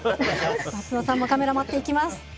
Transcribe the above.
松野さんもカメラ持っていきます。